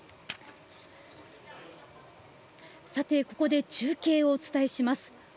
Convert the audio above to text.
ここで中継をお伝えします。